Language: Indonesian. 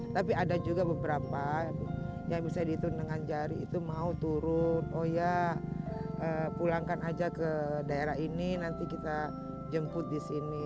tapi ada juga beberapa yang misalnya dihitung dengan jari itu mau turun oh ya pulangkan aja ke daerah ini nanti kita jemput di sini